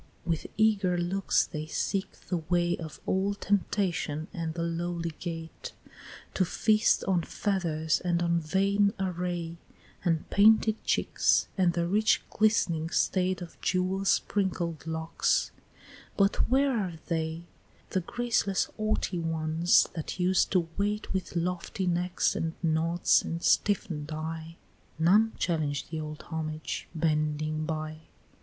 with eager looks they seek the way Of old temptation at the lowly gate; To feast on feathers, and on vain array, And painted cheeks, and the rich glistering state Of jewel sprinkled locks, But where are they, The graceless haughty ones that used to wait With lofty neck, and nods, and stiffen'd eye? None challenge the old homage bending by.